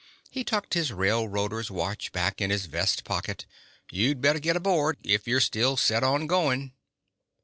He tucked his railroader's watch back in his vest pocket. "You better get aboard if you're still set on going."